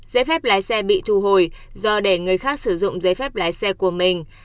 giấy phép lái xe bị thu hồi do để người khác sử dụng giấy phép lái xe của mình